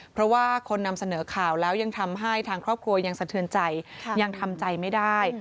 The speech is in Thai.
เพราะว่าคนนำเสนอข่าวแล้วยังทำให้ทางครอบครัวยังสะเทือนใจยังทำใจไม่ได้